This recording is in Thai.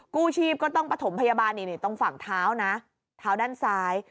กู้ชีพก็ต้องประถมพยาบาลตรงฝั่งเท้านะเท้าด้านซ้าย